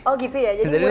oh gitu ya